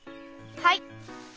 はい。